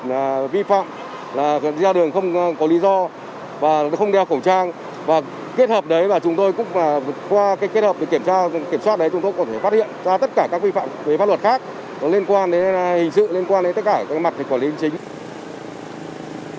liên quan đến hình sự liên quan đến tất cả các mặt của lĩnh chính